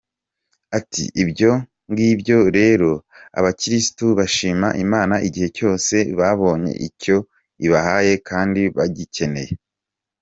Ati "Ibyo ngibyo rero, abakirisitu bashima Imana igihe cyose babonye icyo ibahaye kandi bagikeneye.